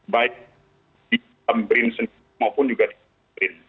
baik di dalam brin sendiri maupun juga di brin